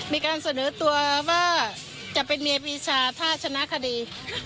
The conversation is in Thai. มีการเสนอตัวว่าจะเป็นเมียปีชาถ้าชนะคดี